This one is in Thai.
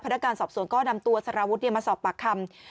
นักการสอบสวนก็นำตัวสารวุฒิมาสอบปากคำ